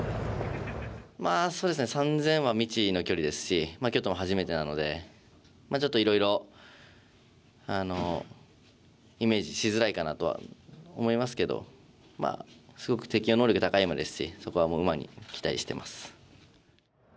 ３０００は未知の距離ですし京都も初めてなのでちょっといろいろイメージしづらいかなとは思いますけどすごく適応能力、高い馬ですしそこは馬に期待してます。